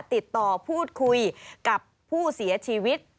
ติดต่อพูดคุยกับผู้เสียชีวิต